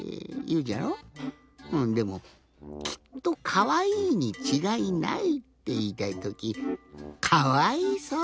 でもきっとかわいいにちがいないっていいたいときかわいそう！